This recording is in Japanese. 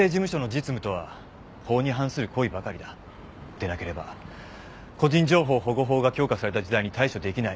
でなければ個人情報保護法が強化された時代に対処できない。